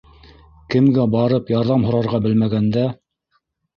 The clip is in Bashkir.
Кемгә барып ярҙам һорарға белмәгәндә...